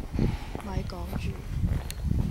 咪講住